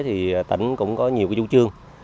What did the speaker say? thì tỉnh cũng có nhiều vũ trương